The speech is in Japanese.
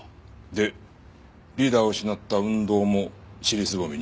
でリーダーを失った運動も尻すぼみに？